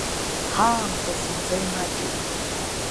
Ҳаамҭа зынӡа имаҷуп.